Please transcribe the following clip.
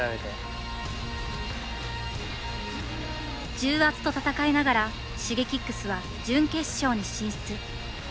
重圧と闘いながらＳｈｉｇｅｋｉｘは準決勝に進出。